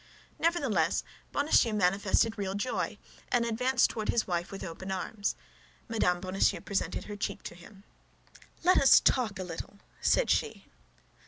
Nevertheless, Bonacieux manifested real joy, and advanced toward his wife with open arms. Madame Bonacieux presented her cheek to him. "Let us talk a little," said she.